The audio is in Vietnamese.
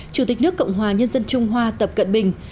chủ tịch nước cộng hòa nhân dân trung hoa tập cận bình